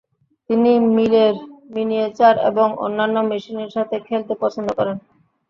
তিনি মিলের মিনিয়েচার এবং অন্যান্য মেশিনের সাথে খেলতে পছন্দ করতেন।